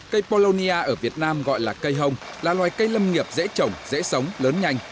cây polonia ở việt nam gọi là cây hồng là loài cây lâm nghiệp dễ trồng dễ sống lớn nhanh